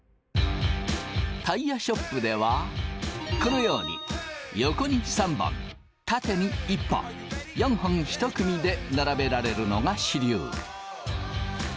タイヤショップではこのように横に３本縦に１本４本１組で並べられるのが主流。